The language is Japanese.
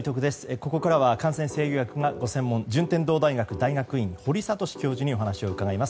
ここからは感染制御学がご専門順天堂大学大学院、堀賢教授にお話を伺います。